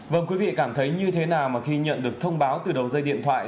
vâng quý vị cảm thấy như thế nào mà khi nhận được thông báo từ đầu dây điện thoại